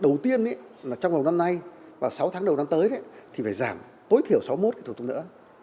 đầu tiên là trong vòng năm nay và sáu tháng đầu năm tới thì phải giảm tối thiểu sáu mươi một cái thủ tục nữa